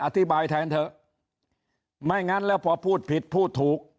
อธิบายแทนเถอะไม่งั้นแล้วพอพูดผิดพูดถูก